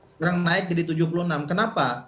sekarang naik jadi rp tujuh puluh enam triliun kenapa